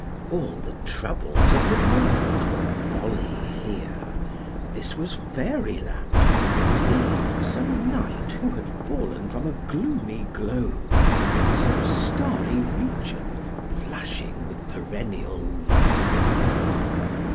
All the troubles of the world were folly here; this was fairy land, and he some knight who had fallen from a gloomy globe upon some starry region flashing with perennial lustre.